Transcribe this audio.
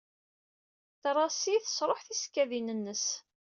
Tracy tesṛuḥ tisekkadin-nnes.